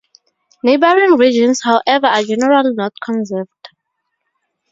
Neighboring regions however are generally not conserved.